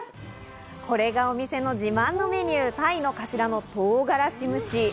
これがお店の自慢のメニュー、鯛の頭の唐辛子蒸し。